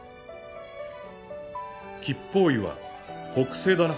吉方位は北西だな。